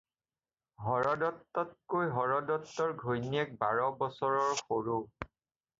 হৰদত্ততকৈ হৰদত্তৰ ঘৈণীয়েক বাৰ বছৰৰ সৰু।